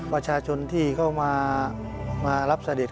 ประชาชนที่เข้ามารับเสด็จ